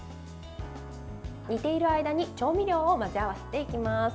煮ている間に調味料を混ぜ合わせていきます。